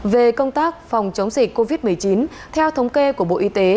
về công tác phòng chống dịch covid một mươi chín theo thống kê của bộ y tế